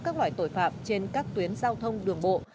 các loại tội phạm trên các tuyến giao thông đường bộ